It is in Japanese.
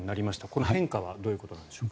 この変化はどういうことなんでしょう。